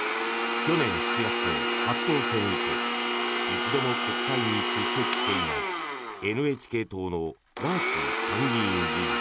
去年７月の初当選以降一度も国会に出席していないＮＨＫ党のガーシー参議院議員。